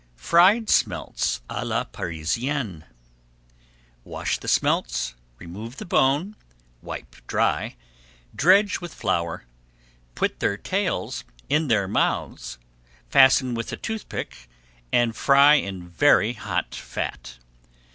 FRIED SMELTS À LA PARISIENNE Wash the smelts, remove the bone, wipe dry, dredge with flour, put their tails in their mouths, fasten with a tooth pick, and fry in very hot fat.